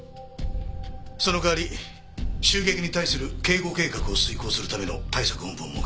その代わり襲撃に対する警護計画を遂行するための対策本部を設ける。